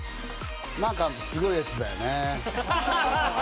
なんかすごいやつだよね。